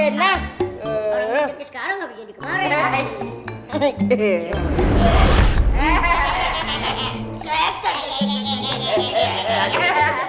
sekarang gak bisa